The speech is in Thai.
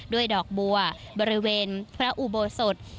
ดอกบัวบริเวณพระอุโบสถ